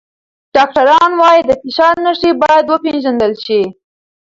ډاکټران وايي د فشار نښې باید وپیژندل شي.